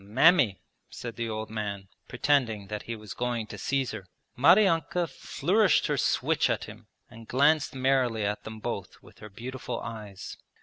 'Mammy,' said the old man, pretending that he was going to seize her. Maryanka flourished her switch at him and glanced merrily at them both with her beautiful eyes.